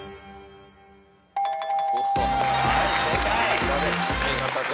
はい正解。